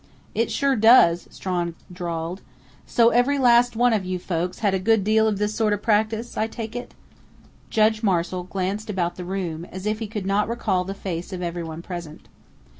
"It sure does," Strawn drawled. "So every last one of you folks had a good deal of this sort of practice, I take it?" Judge Marshall glanced about the room, as if he could not recall the face of everyone present.